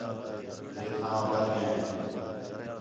ہے تھانوا بھڄ ڳئین